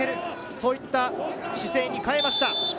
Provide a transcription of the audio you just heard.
そういった姿勢にかえました。